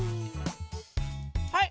はい！